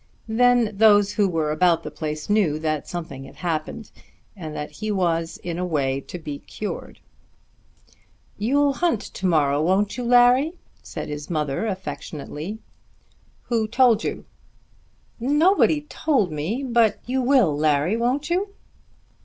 Then those who were about the place knew that something had happened, and that he was in a way to be cured. "You'll hunt to morrow, won't you, Larry?" said his mother affectionately. "Who told you?" "Nobody told me; but you will, Larry; won't you?"